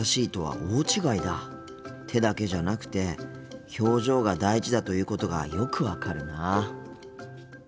手だけじゃなくて表情が大事だということがよく分かるな。